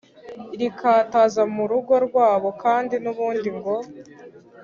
rikataza mu rugo rwabo. kandi n’ubundi ngo: